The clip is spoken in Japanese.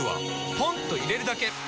ポンと入れるだけ！